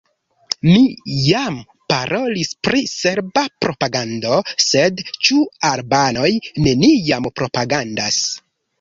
Mi jam parolis pri serba propagando – sed ĉu albanoj neniam propagandas?